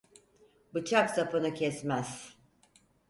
Bıçak sapını kesmez.